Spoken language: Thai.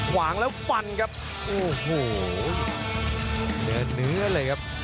หว่างแล้วฟันครับโอ้โหเนื้อเลยครับ